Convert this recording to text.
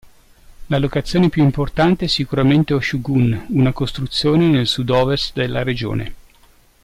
La locazione più importante è sicuramente Oshu'gun, una costruzione nel sudovest della regione.